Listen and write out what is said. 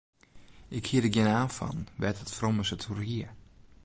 Ik hie der gjin aan fan wêr't it frommes it oer hie.